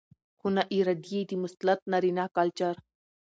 ؛ خو ناارادي يې د مسلط نارينه کلچر